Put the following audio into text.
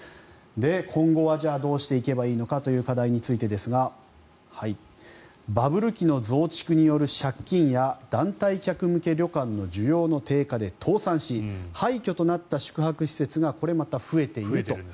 今後はどうしていけばいいのかという課題についてですがバブル期の増築による借金や団体客向け旅館の需要の低下で倒産し廃虚となった宿泊施設がこれまた増えていると。